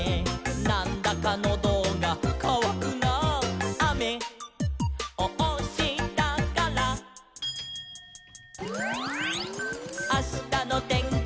「『なんだかノドがかわくなあ』」「あめをおしたから」「あしたのてんきは」